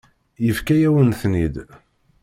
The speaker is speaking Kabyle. Yefka-yawen-ten-id.